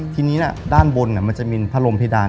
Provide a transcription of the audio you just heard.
ทีนี้ด้านบนมันจะมีพัดลมเพดาน